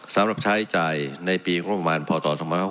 สำหรับใช้จ่ายในปีงบประมาณพศ๒๕๖๖